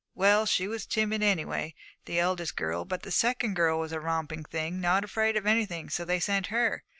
Well, she was timid, anyway, the eldest girl. But the second girl was a romping thing, not afraid of anything, so they sent her.